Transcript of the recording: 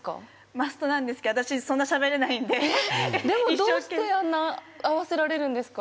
マストなんですけど私そんなしゃべれないんででもどうしてあんな合わせられるんですか？